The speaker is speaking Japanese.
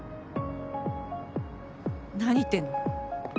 何言ってんのよ。